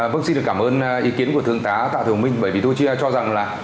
vâng xin cảm ơn ý kiến của thương tá tạ thường minh bởi vì tôi chỉ cho rằng là